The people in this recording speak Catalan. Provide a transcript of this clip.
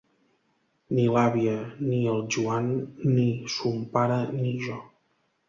Ni l'àvia ni el Joan ni son pare ni jo.